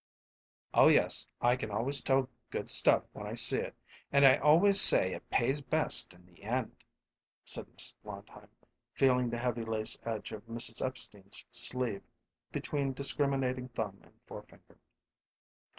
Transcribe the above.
"Oh yes; I can always tell good stuff when I see it, and I always say it pays best in the end," said Mrs. Blondheim, feeling the heavy lace edge of Mrs. Epstein's sleeve between discriminating thumb and forefinger.